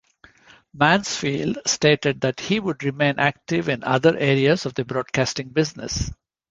Mansfield stated that he would remain active in other areas of the broadcasting business.